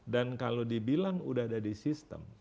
dan kalau dibilang udah ada di sistem